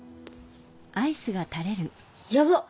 やばっ！